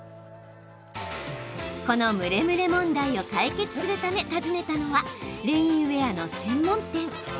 この蒸れ蒸れ問題を解決するため訪ねたのはレインウエアの専門店。